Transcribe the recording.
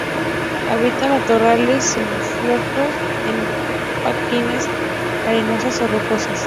Habita matorrales xerófilos en planicies arenosas o rocosas.